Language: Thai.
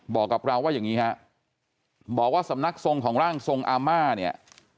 บอกกับเราว่าอย่างนี้ฮะบอกว่าสำนักทรงของร่างทรงอาม่าเนี่ย